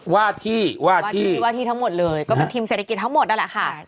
วาดที่วาดที่ว่าที่ทั้งหมดเลยก็เป็นทีมเศรษฐกิจทั้งหมดนั่นแหละค่ะ